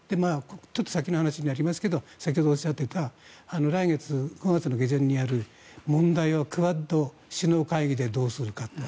ちょっと先の話になりますが先ほどおっしゃっていた５月下旬にやるクアッド首脳会議でどうするかという。